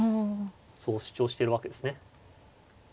そう主張してるわけですね。